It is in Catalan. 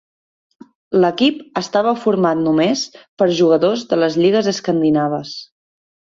L'equip estava format només per jugadors de les lligues escandinaves.